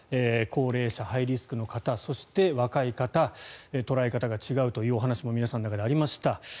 高齢者、ハイリスクの方そして若い方捉え方が違うというお話も皆さんの中でありました。